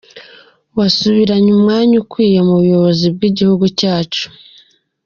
Wasubiranye umwanya ukwiriye mu bayobozi b’igihugu cyacu.